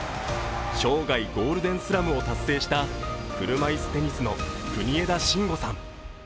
生涯ゴールデンスラムを達成した車いすテニスの国枝慎吾さん。